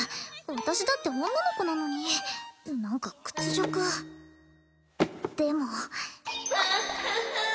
私だって女の子なのに何か屈辱でもあっははん